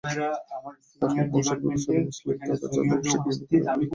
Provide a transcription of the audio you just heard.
তার্কিক বংশোদ্ভূত সুন্নি মুসলিম তাতার জনগোষ্ঠী ক্রিমিয়াকেই নিজেদের আবাস বলে মনে করে।